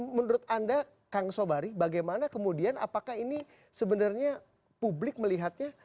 menurut anda kang sobari bagaimana kemudian apakah ini sebenarnya publik melihatnya